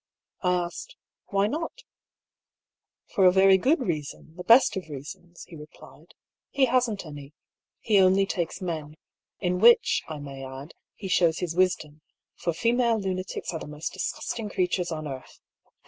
I asked, " Why not ?"" For a very good reason, the best of reasons," he re plied :" he hasn't any. He only takes men. In which, I may add, he shows his wisdom, for female lunatics are the most disgusting creatures on earth.